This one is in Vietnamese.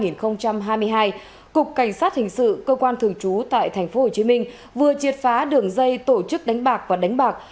năm hai nghìn hai mươi hai cục cảnh sát hình sự cơ quan thường trú tại tp hcm vừa triệt phá đường dây tổ chức đánh bạc và đánh bạc